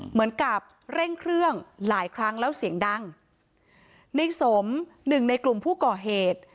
เหมือนกับเร่งเครื่องหลายครั้งแล้วเสียงดังในสมหนึ่งในกลุ่มผู้ก่อเหตุ